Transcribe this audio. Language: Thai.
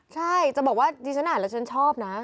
ใช่จะบอกว่าดิฉันอ่านแล้วฉันชอบนะ